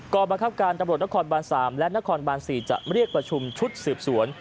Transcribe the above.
บังคับการตำรวจนครบาน๓และนครบาน๔จะเรียกประชุมชุดสืบสวน